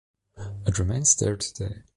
It remains there today.